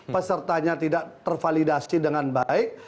pesertanya tidak tervalidasi dengan baik